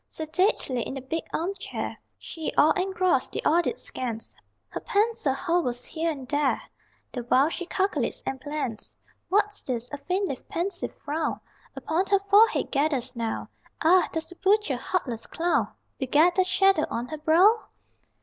Sedately, in the big armchair, She, all engrossed, the audit scans Her pencil hovers here and there The while she calculates and plans; What's this? A faintly pensive frown Upon her forehead gathers now Ah, does the butcher heartless clown Beget that shadow on her brow?